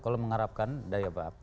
kalau mengharapkan dari pak